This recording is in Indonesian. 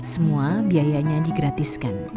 semua biayanya digratiskan